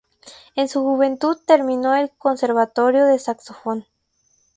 En su juventud terminó el conservatorio de saxofón.